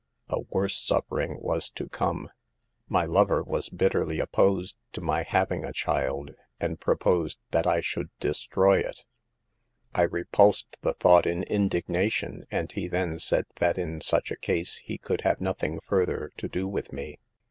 6 A worse suffering was to come. My lover was bitterly opposed to my having a child, and proposed that I should destroy it. I repulsed the thought in indignation, and he then said that in such a case he could have nothing further to do with me.